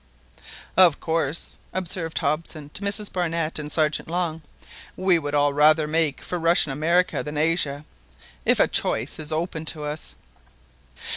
"Of course," observed Hobson to Mrs Barnett and Sergeant Long, "we would all rather make for Russian America than Asia, if a choice is open to us."